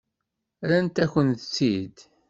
Rrant-akent-tt-id.